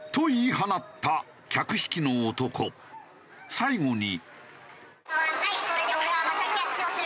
最後に。